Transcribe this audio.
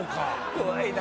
怖いな。